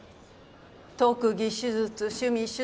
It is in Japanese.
特技手術趣味手術。